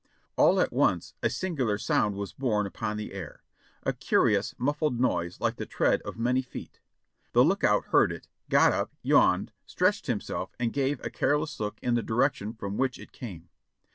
"All at once a singular sound was borne upon the air ; a curious, muffled noise like the tread of many feet. The lookout heard it, got up, yawned, stretched himself and gave a careless look in the direction from which it came.